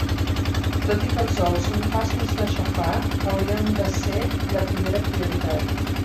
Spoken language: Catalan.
Tot i que els ous són fàcils d'aixafar, haurien de ser la primera prioritat.